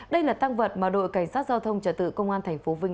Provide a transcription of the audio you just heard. đây là tăng vật mà đội cảnh sát giao thông trở tự công an thành phố vinh